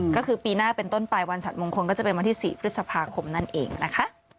ก็คือปีหน้าเป็นต้นไปวันฉัดมงคลก็จะเป็นวันที่๔พฤษภาคมนั่นเองนะคะ